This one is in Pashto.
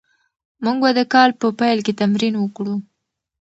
موږ به د کال په پیل کې تمرین وکړو.